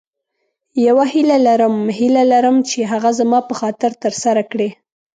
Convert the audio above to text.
یوه هیله لرم هیله لرم چې هغه زما په خاطر تر سره کړې.